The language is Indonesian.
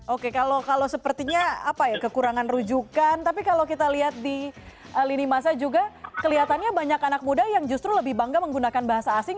oke kalau sepertinya apa ya kekurangan rujukan tapi kalau kita lihat di lini masa juga kelihatannya banyak anak muda yang justru lebih bangga menggunakan bahasa asing